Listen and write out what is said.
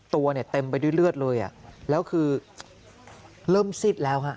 ตัวเนี่ยเต็มไปด้วยเลือดเลยแล้วคือเริ่มซิดแล้วฮะ